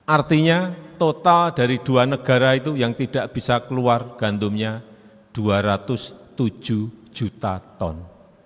artinya total dari dua negara itu yang tidak bisa keluar gandumnya dua ratus tujuh juta ton